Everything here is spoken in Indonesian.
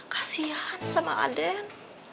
kasian sama aden